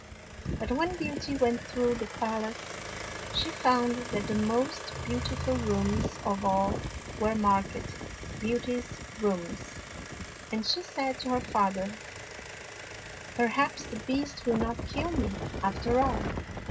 But when Beauty went through the pal ace, she found that the most beautiful rooms of all were marked " Beauty's Rooms," and she said to her father, " Perhaps the Beast will not kill me, after all.